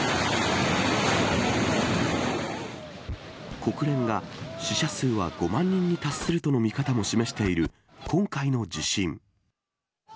国連が、死者数は５万人に達するとの見方も示している今回の地震。